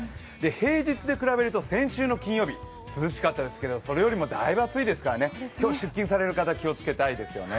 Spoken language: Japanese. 平日で比べると先週の金曜日、涼しかったんですがそれよりもだいぶ暑いですから、今日出勤する方、気をつけたいですね。